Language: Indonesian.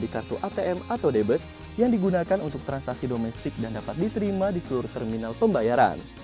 dan juga untuk pembayaran pembayaran nasional yang ada di kartu atm atau debit yang digunakan untuk transaksi domestik dan dapat diterima di seluruh terminal pembayaran